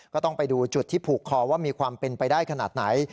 ก็ต้องไปดูจุดที่ผูกคอว่ามีความเป็นไปได้ขนาดไหน